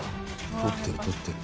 勝ってる勝ってる。